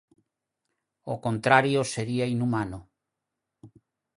O contrario sería inhumano.